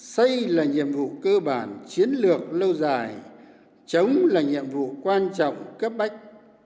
xây là nhiệm vụ cơ bản chiến lược lâu dài chống là nhiệm vụ quan trọng cấp bách